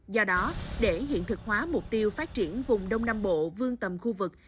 do đó để hiện thực hóa mục tiêu phát triển vùng đông nam bộ vương tầm khu vực